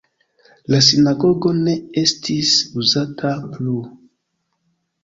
La sinagogo ne estis uzata plu.